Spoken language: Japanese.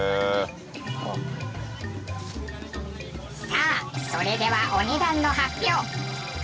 さあそれではお値段の発表。